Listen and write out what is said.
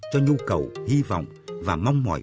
cho nhu cầu hy vọng và mong mỏi